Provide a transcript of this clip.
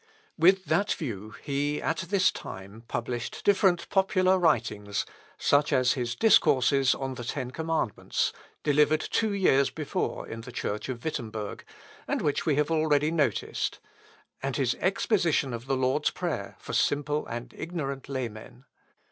With that view, he at this time published different popular writings, such as his Discourses on the Ten Commandments, delivered two years before in the church of Wittemberg, and which we have already noticed; and his Exposition of the Lord's Prayer, for simple and ignorant laymen.